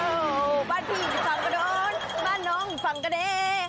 ว้โวบ้านผู้อีกสางกระโดรบ้านน้องอยู่สังกะเด